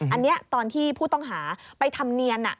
อันนี้ตอนที่ผู้ต้องหาไปทำเนียน